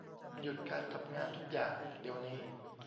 หยุดการทำงานทุกอย่าง เดี๋ยวนี้